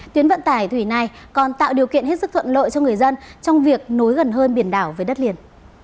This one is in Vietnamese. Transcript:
tuyến vận tải thủy này còn tạo điều kiện hết sức thuận lợi cho người dân trong việc nối gần hơn biển đảo với đất liền